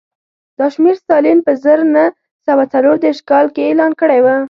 دا شمېر ستالین په زر نه سوه څلور دېرش کال کې اعلان کړی و